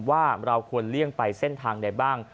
ว่าเราควรเลี่ยงไปเส้นทางไหนบ้าง